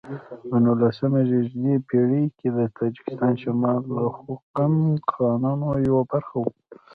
په نولسمه زېږدیزه پیړۍ کې د تاجکستان شمال د خوقند خانانو یوه برخه و.